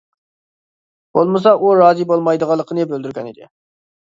بولمىسا ئۇ رازى بولمايدىغانلىقىنى بىلدۈرگەن ئىدى.